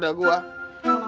tekar dah gue